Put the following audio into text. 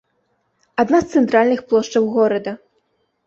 Адна з цэнтральных плошчаў горада.